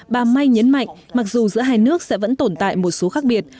bà may nhấn mạnh mặc dù giữa hai nước sẽ vẫn tồn tại một số khác biệt